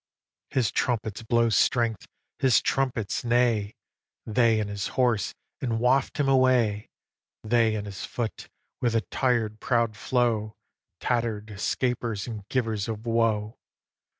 His trumpets blow strength, his trumpets neigh, They and his horse, and waft him away; They and his foot, with a tir'd proud flow, Tatter'd escapers and givers of woe.